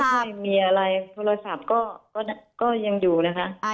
ไม่มีอะไรโทรศัพท์ก็ยังอยู่นะคะ